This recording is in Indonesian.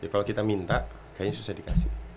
kalau kita minta kayaknya susah dikasih